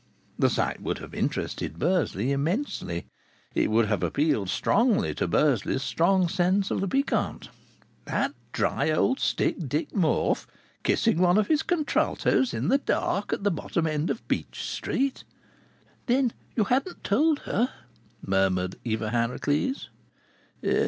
The sight would have interested Bursley immensely; it would have appealed strongly to Bursley's strong sense of the piquant.... That dry old stick Dick Morfe kissing one of his contraltos in the dark at the bottom end of Beech Street. "Then you hadn't told her!" murmured Eva Harracles.